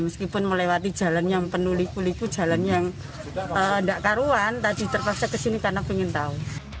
meskipun melewati jalan yang penuh liku liku jalan yang tidak karuan tapi terpaksa ke sini karena pengen tahu